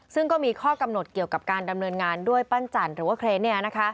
ซึ่งก็มีข้อกำหนดเกี่ยวกับการดำเนินงานด้วยปั้นจันทร์หรือว่าเครน